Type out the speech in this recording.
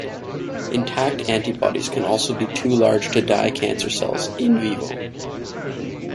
Intact antibodies can also be too large to dye cancer cells "in vivo".